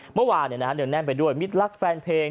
เมื่อวานเนื้องแน่นไปด้วยมิตรรักแฟนเพลง